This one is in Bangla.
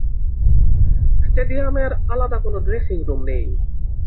স্টেডিয়ামের আলাদা ড্রেসিং রুম নেই।